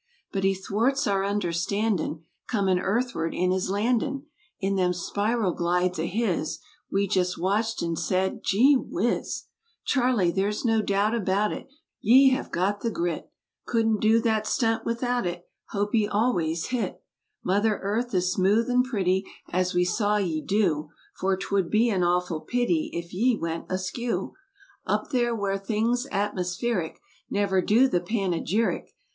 But he thwarts our understandin' Cornin' earthward in his landin' In them spiral glides o' his— We jest watched an' said—"Gee Whiz!' Charley, there's no doubt about it Ye have got the grit; Couldn't do that stunt without it. Hope ye always hit Mother Earth as smooth and pretty As we saw ye do; For 'twould be an awful pity If ye went askew Up there where things atmospheric Never do the panegyric.